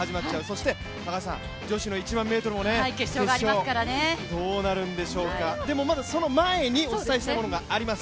そして高橋さん、女子の１００００ｍも決勝ありますからね、どうなるんでしょうか、でも、まだその前にお伝えしたいことがあります。